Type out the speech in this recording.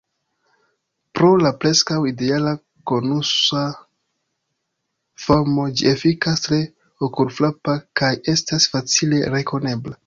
Pro la preskaŭ ideala konusa formo ĝi efikas tre okulfrapa kaj estas facile rekonebla.